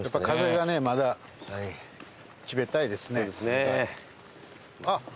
風がねまだ冷たいですね。